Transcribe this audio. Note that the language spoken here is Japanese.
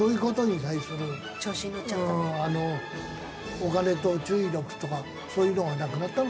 お金と注意力とかそういうのがなくなったのかもね。